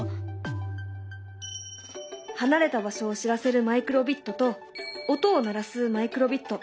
離れた場所を知らせるマイクロビットと音を鳴らすマイクロビット。